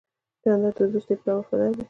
جانداد د دوستی په لار وفادار دی.